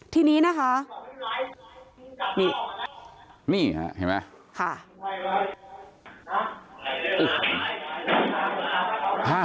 ที่นี้นะคะนี่ค่ะเห็นมั้ย